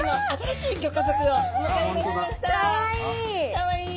かわいい。